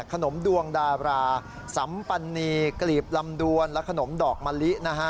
ขนมดวงดาราสัมปณีกลีบลำดวนและขนมดอกมะลินะฮะ